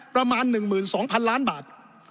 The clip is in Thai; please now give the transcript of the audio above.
ประมาณ๑๒๐๐๐ล้านบาท